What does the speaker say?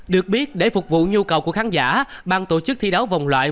được biết để phục vụ nhu cầu của khán giả bàn tổ chức thi đấu vòng loại